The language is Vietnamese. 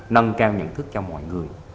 nâng cao nhận thức cho mọi người